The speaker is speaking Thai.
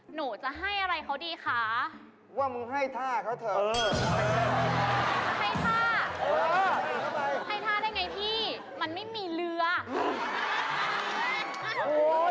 หนูจะให้อะไรเขาดีคะว่ามึงให้ท่าเขาเถอะ